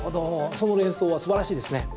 その連想は素晴らしいですね。